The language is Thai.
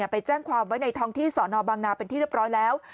ไปแจ้งความไว้ในท้องที่สอนอบางนาเป็นที่เรียบร้อยแล้ว